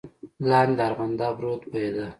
لاندې د ارغنداب رود بهېده.